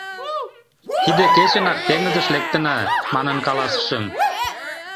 Тиде кечынак теҥызыш лектына, манын каласышым.